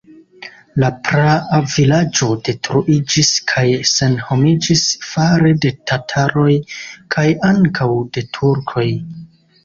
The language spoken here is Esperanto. La praa vilaĝo detruiĝis kaj senhomiĝis fare de tataroj kaj ankaŭ de turkoj.